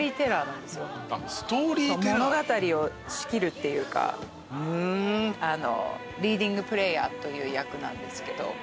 物語を仕切るっていうかリーディングプレイヤーという役なんですけど。